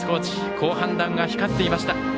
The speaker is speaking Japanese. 好判断が光っていました。